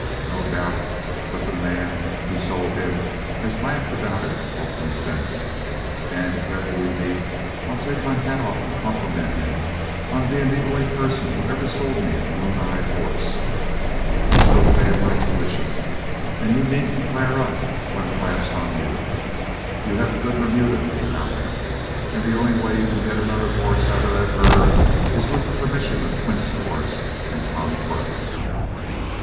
No doubt but the man who sold him has laughed about it often since, and if ever we meet, I'll take my hat off and compliment him on being the only person who ever sold me a moon eyed horse. I'm still paying my tuition, and you needn't flare up when the laugh's on you. You have a good remuda without him, and the only way you can get another horse out of that herd is with the permission of Quince Forrest and Tom Quirk."